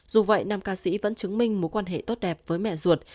dù vậy nam ca sĩ vẫn chứng minh mối quan hệ tốt đẹp với mẹ ruột